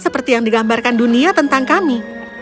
seperti yang digambarkan dunia tentang kami